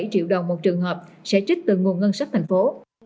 bảy triệu đồng một trường hợp sẽ trích từ nguồn ngân sách thành phố